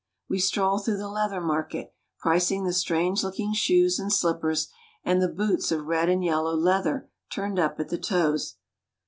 We stroll through the leather market, pricing the strange looking shoes and slippers and the boots of red and yellow leather turned up at the toes.